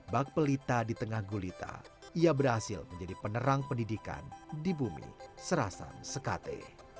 bak pelita di tengah gulita ia berhasil menjadi penerang pendidikan di bumi serasan sekate